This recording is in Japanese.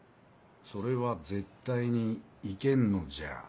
それは絶対にいけんのじゃ。